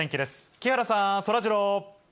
木原さん、そらジロー。